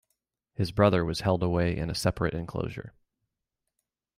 His brother was held away in a separate enclosure.